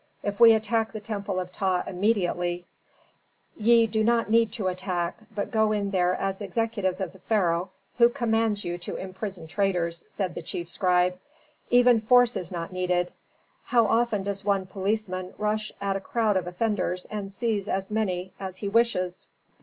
If we attack the temple of Ptah immediately " "Ye do not need to attack, but go in there as executives of the pharaoh who commands you to imprison traitors," said the chief scribe. "Even force is not needed. How often does one policeman rush at a crowd of offenders and seize as many as he wishes."